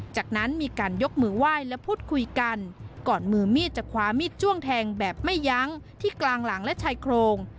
จากนั้นมีการยกมือไหว้และพูดคุยกันก่อนมือมีดจะคว้ามีดจ้วงแทงแบบไม่ยั้งที่กลางหลังและชายโครง